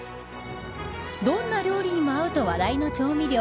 どんな料理にも合うと話題の調味料。